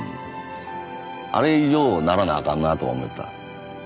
あれ以上ならなあかんなとは思った。